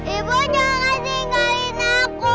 ibu jangan tinggalin aku